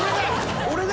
俺だ！